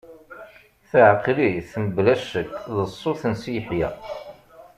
Teɛqel-it, mebla ccek, d ṣṣut n Si Yeḥya.